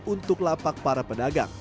untuk lapak para pedagang